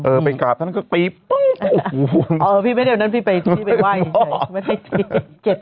เออไปกราบท่านก็ปีปุ้งเออพี่ไม่ได้ว่านั้นพี่ไปไหว่ไม่ได้เจ็บ